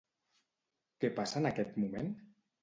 Què passa en aquest moment?